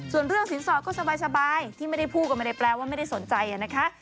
ส่วนเรื่องสินสอดก็สบายที่ไม่ได้พูดก็ไม่ได้แปลว่าไม่ได้สนใจนะคะ